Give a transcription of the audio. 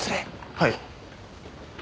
はい。